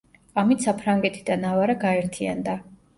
ამით საფრანგეთი და ნავარა გაერთიანდა.